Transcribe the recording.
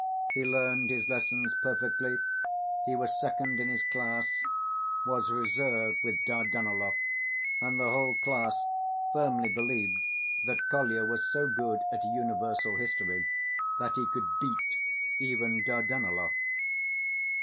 He learned his lessons perfectly; he was second in his class, was reserved with Dardanelov, and the whole class firmly believed that Kolya was so good at universal history that he could "beat" even Dardanelov.